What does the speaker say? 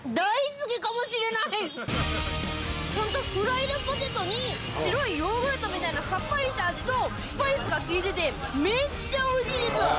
ホントフライドポテトに白いヨーグルトみたいなさっぱりした味とスパイスが効いてて。